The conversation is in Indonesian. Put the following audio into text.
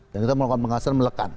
dan kita mengasihkan melekan